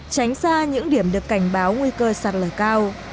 tránh xa những điểm được cảnh báo nguy cơ sạt lở cao